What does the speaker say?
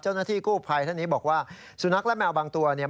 เจ้าหน้าที่กู้ภัยท่านนี้บอกว่าสุนัขและแมวบางตัวเนี่ย